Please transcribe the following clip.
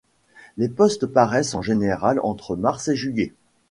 Les postes paraissent en général entre mars et juillet.